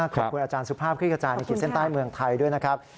ขอบคุณอาจารย์สุภาพคลิกกระจายในขีดเส้นใต้เมืองไทยด้วยนะครับ